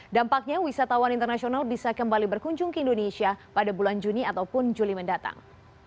dampaknya wisatawan internasional bisa kembali berkunjung ke indonesia pada bulan juni ataupun juli mendatang